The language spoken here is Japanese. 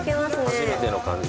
初めての感じ。